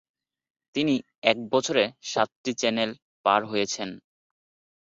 তিনি এক বছরে সাতটি চ্যানেল পার হয়েছেন।